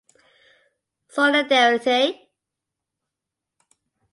Solidarity.